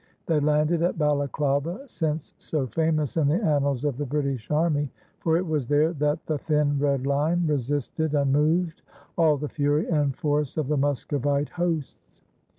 They landed at Balaklava, since so famous in the annals of the British army, for it was there that "the thin red line" resisted unmoved all the fury and force of the Muscovite hosts.